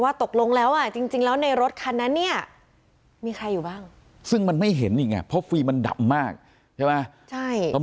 ตกลงแล้วอ่ะจริงแล้วในรถคันนั้นเนี่ยมีใครอยู่บ้างซึ่งมันไม่เห็นอีกไงเพราะฟรีมันดำมากใช่ไหม